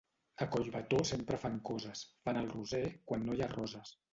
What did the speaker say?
A Collbató sempre fan coses: fan el Roser quan no hi ha roses.